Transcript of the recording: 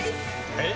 えっ？